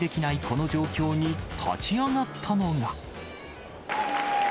この状況に、立ち上がったのが。